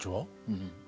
うん。